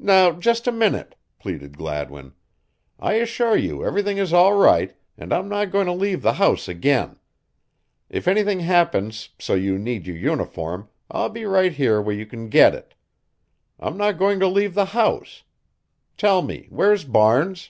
"Now, just a minute," pleaded Gladwin. "I assure you everything is all right, and I'm not going to leave the house again. If anything happens so you need your uniform I'll be right here where you can get it. I'm not going to leave the house. Tell me, where's Barnes?"